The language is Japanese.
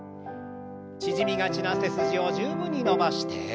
縮みがちな背筋を十分に伸ばして。